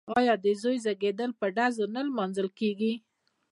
آیا د زوی زیږیدل په ډزو نه لمانځل کیږي؟